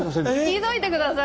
聞いといて下さい！